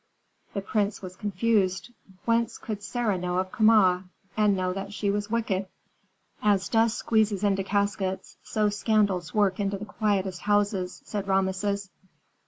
The prince was confused. Whence could Sarah know of Kama, and know that she was wicked? "As dust squeezes into caskets, so scandals work into the quietest houses," said Rameses.